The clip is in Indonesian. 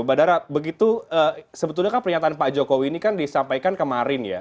mbak dara begitu sebetulnya kan pernyataan pak jokowi ini kan disampaikan kemarin ya